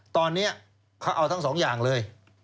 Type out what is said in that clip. ตอนนี้เขาเอาทั้งสองอย่างเลย